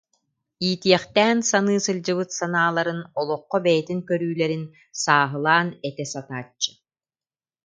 Иитиэхтээн саныы сылдьыбыт санааларын, олоххо бэйэтин көрүүлэрин сааһылаан этэ сатааччы